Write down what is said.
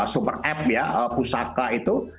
super app ya pusaka itu